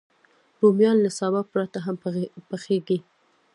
رومیان له سابه پرته هم پخېږي